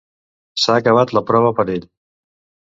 S'ha acabat la prova per a ell.